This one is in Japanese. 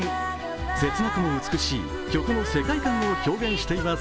切なくも美しい曲の世界観を表現しています。